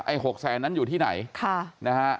ไอ้๖แสนนั้นอยู่ที่ไหน